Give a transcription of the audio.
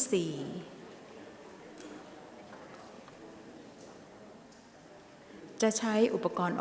ออกรางวัลเลขหน้า๓ตัวครั้งที่๒